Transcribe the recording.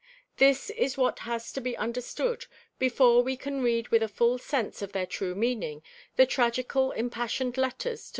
This is what has to be understood before we can read with a full sense of their true meaning the tragical impassioned Letters to M.